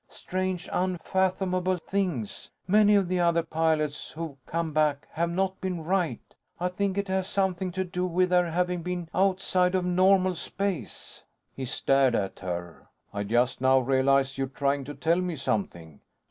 "Strange unfathomable things. Many of the other pilots who've come back have not been right. I think it has something to do with their having been outside of normal space " He stared at her. "I just now realize you're trying to tell me something."